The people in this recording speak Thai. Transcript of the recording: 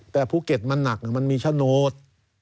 แต่ภูเก็ตมันหนักมันมีโฉนด